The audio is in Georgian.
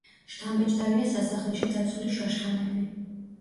შთამბეჭდავია სასახლეში დაცული შაშხანები.